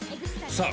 さあ